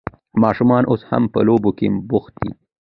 ماشومان اوس هم په لوبو کې بوخت دي.